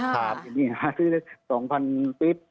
อย่างนี้หาซื้อด้วย๒๐๐๐บิ๊บ